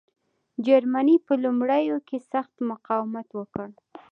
جرمني په لومړیو کې سخت مقاومت وکړ.